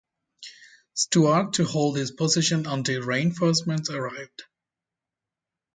Stuart to hold his position until reinforcements arrived.